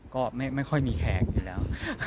ก็ไม่ค่อยมีแขกอยู่แล้ว